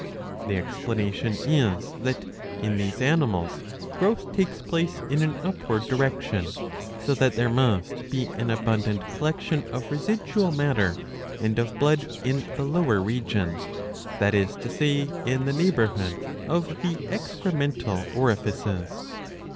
The explanation is that in these animals growth takes place 688b. 122 IV. lO. in an upward direction ;^^ so that there must be an abundant collection of residual matter and of blood in the lower region, that is to say in the neighbourhood of the excremental orifices.